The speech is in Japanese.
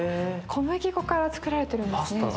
小麦粉から作られてるんですねじゃあ。